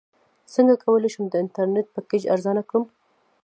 څنګه کولی شم د انټرنیټ پیکج ارزانه کړم